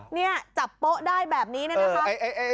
เนี่ยจับโป๊ะได้แบบนี้เนี่ยนะคะ